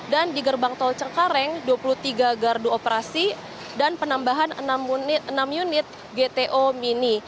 dan di gerbang tol cengkareng dua puluh tiga gardu operasi dan penambahan enam unit gto mini